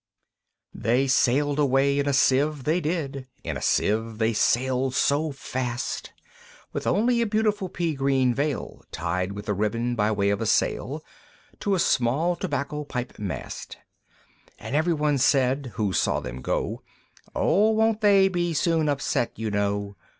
II. They sailed away in a Sieve, they did, In a Sieve they sailed so fast, With only a beautiful pea green veil Tied with a riband, by way of a sail, To a small tobacco pipe mast; And every one said, who saw them go, "O won't they be soon upset, you know!